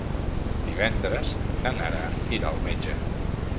Divendres na Nara irà al metge.